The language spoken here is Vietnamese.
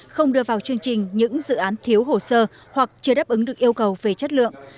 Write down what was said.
không đưa vào chương trình những dự án thiếu hồ sơ hoặc chưa đáp ứng được yêu cầu về chất lượng